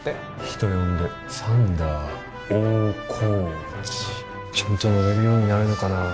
人呼んでサンダー大河内。ちゃんと乗れるようになるのかな。